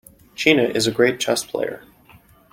Gina is a great chess player.